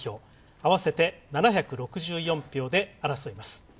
合わせて７６４票で争います。